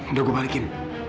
udah gue balikin